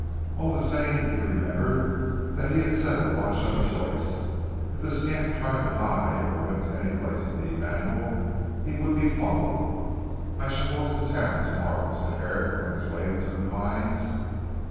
All the same he remembered that he had set a watch on Joyce. If the scamp tried to hide, or went to any place to meet Manuel, he would be followed. "I shall go up to Town to morrow," said Herrick on his way to 'The Pines.'